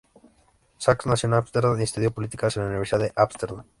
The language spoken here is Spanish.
Sax nació en Amsterdam y estudió políticas en la Universidad de Amsterdam.